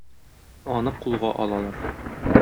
Аны кулга алалар.